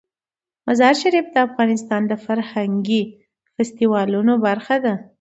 مزارشریف د افغانستان د فرهنګي فستیوالونو برخه ده.